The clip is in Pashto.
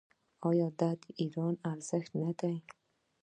آیا دا د ایران ارزښت نه دی؟